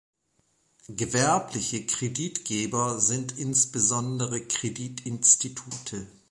Gewerbliche Kreditgeber sind insbesondere Kreditinstitute.